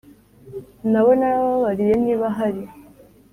Naba narababariye niba hari